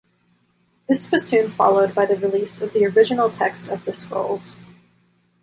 This was soon followed by the release of the original text of the scrolls.